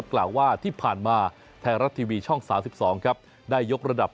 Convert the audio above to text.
กล่าวว่าที่ผ่านมาไทยรัฐทีวีช่อง๓๒ครับได้ยกระดับ